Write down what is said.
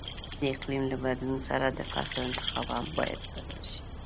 د اقلیم له بدلون سره د فصلو انتخاب هم باید بدل شي.